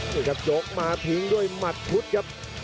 นี่ครับยกมาทิ้งด้วยหมัดชุดครับ